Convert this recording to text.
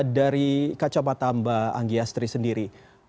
dari kacamata mbak anggiastri sendiri